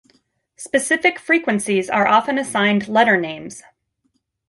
Specific frequencies are often assigned letter names.